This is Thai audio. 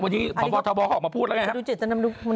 จะบอกออกมาพูดแล้วไงครับ